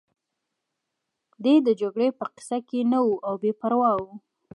دی د جګړې په کیسه کې نه و او بې پروا و